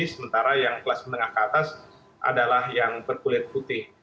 sementara yang kelas menengah ke atas adalah yang berkulit putih